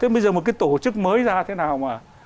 đến bây giờ một cái tổ chức mới ra thế nào mà